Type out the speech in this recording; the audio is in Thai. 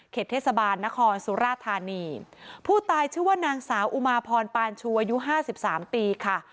เทศบาลนครสุราธานีผู้ตายชื่อว่านางสาวอุมาพรปานชูอายุห้าสิบสามปีค่ะ